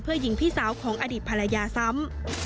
ยิงพี่สาวของอดีตภรรยาซ้ำ